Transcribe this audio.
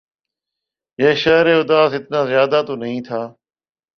یہ شہر اداس اتنا زیادہ تو نہیں تھا